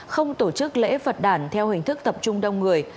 không tổ chức lễ phật đản theo hình thức tập trung đông người